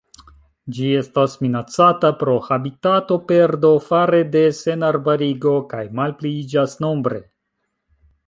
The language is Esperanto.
Ĝi estas minacata pro habitatoperdo fare de senarbarigo kaj malpliiĝas nombre.